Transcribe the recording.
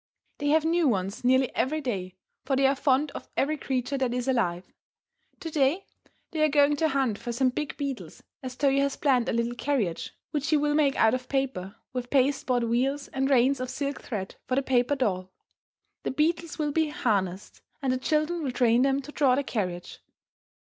They have new ones nearly every day, for they are fond of every creature that is alive. To day they are going to hunt for some big beetles, as Toyo has planned a little carriage which he will make out of paper, with pasteboard wheels and reins of silk thread for the paper doll. The beetles will be harnessed, and the children will train them to draw the carriage.